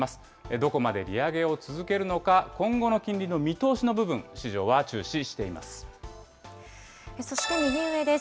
どこまで利上げを続けるのか、今後の金利の見通しの部分、市場はそして右上です。